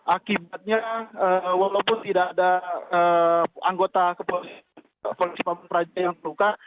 akibatnya walaupun tidak ada anggota kepolisian pamung praja yang terluka